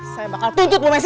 saya bakal tunjuk bu messi